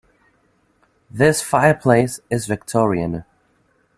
This fireplace is victorian.